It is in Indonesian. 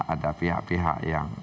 ada pihak pihak yang